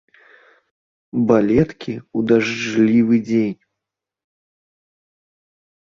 Балеткі ў дажджлівы дзень.